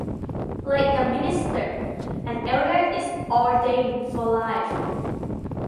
Like a minister, an elder is ordained for life.